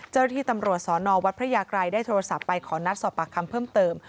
เจ้าหน้าที่ตำรวจสนวัดพระยากรัยได้โทรศัพท์ไปขอนัดสอบปากคำเพิ่มเติม